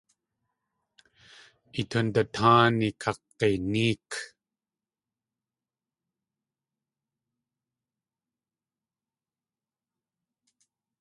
I tundatáani kakg̲inéek.